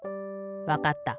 わかった。